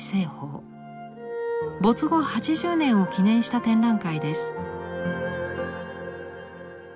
没後８０年を記念した展覧会です。